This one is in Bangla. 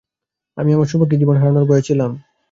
আমি আমার সৌভাগ্যের জীবন হারানোর ভয়ে ছিলাম।